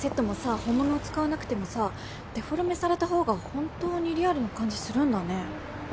もさ本物を使わなくてもさデフォルメされた方が本当にリアルな感じするんだね。